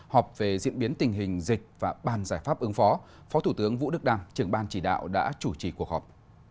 họp về diễn biến tình hình dịch và ban giải pháp ứng phó phó thủ tướng vũ đức đam trưởng ban chỉ đạo đã chủ trì cuộc họp